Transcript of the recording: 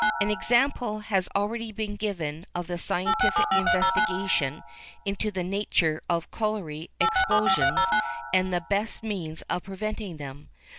An example has already been given of the scientific investigation into the nature of colliery explosions and the best means of preventing them.